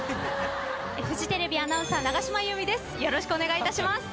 フジテレビアナウンサー永島優美です。